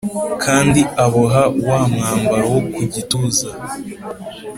Kandi aboha wa mwambaro wo ku gituza